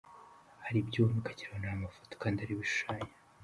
Hari ibyo ubona ukagira ngo ni amafoto kandi ari ibishushanyo.